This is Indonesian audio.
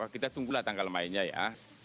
kita tunggulah tanggal mainnya ya